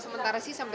sementara sih sampai